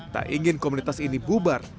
tak ingin komunitas ini bubar